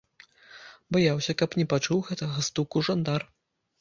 Баяўся, каб не пачуў гэтага стуку жандар.